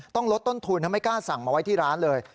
ต้องลดต้นทุนไม่กล้าสั่งมาไว้ที่ร้านเลย